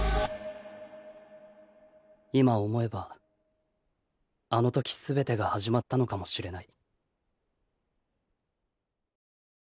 今思えばあの時全てが始まったのかもしれない